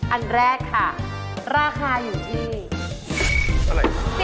อันแรกค่ะราคาอยู่ที่อะไร